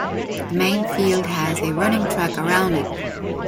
The main field has a running track around it.